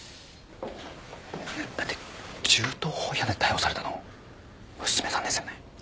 だって銃刀法違反で逮捕されたの娘さんですよね？